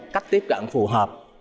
cách tiếp cận phù hợp